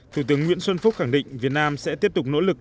thủ tướng nguyễn xuân phúc khẳng định việt nam sẽ tiếp tục nỗ lực